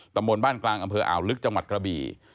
ตำบลบ้านกลางอำเภออ่าวลึกจังหวัดกระบี่